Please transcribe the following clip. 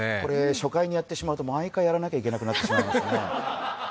初回にやってしまうと、毎回やらなければいけなくなりますね。